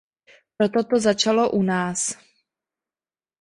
Proto to začalo u nás.